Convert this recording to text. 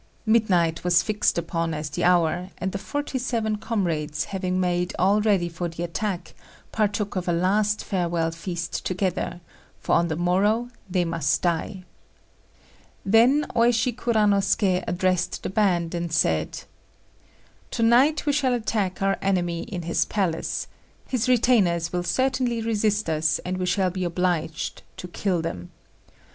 Midnight was fixed upon as the hour, and the forty seven comrades, having made all ready for the attack, partook of a last farewell feast together, for on the morrow they must die. Then Oishi Kuranosuké addressed the band, and said "To night we shall attack our enemy in his palace; his retainers will certainly resist us, and we shall be obliged to kill them.